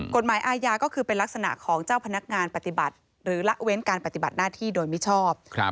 กฎหมายอาญาก็คือเป็นลักษณะของเจ้าพนักงานปฏิบัติหรือละเว้นการปฏิบัติหน้าที่โดยมิชอบ